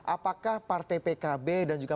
apakah partai pkb dan juga